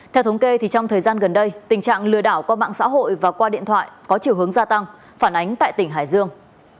theo thống kê trong thời gian gần đây tình trạng lừa đảo qua mạng xã hội và qua điện thoại có chiều hướng gia tăng phản ánh tại tỉnh hải dương